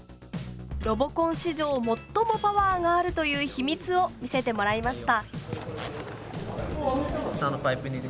ロボコン史上最もパワーがあるという秘密を見せてもらいました。